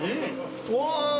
うわ！